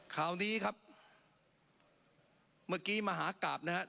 คราวนี้ครับเมื่อกี้มหากราบนะครับ